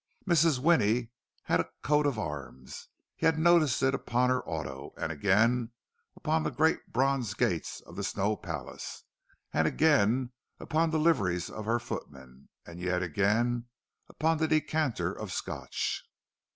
Mrs. Winnie had a coat of arms; he had noticed it upon her auto, and again upon the great bronze gates of the Snow Palace, and again upon the liveries of her footmen, and yet again upon the decanter of Scotch.